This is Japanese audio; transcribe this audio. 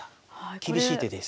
厳しい手です。